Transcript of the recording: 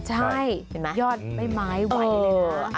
ใช่ยอดใบไม้ไหวเลยนะ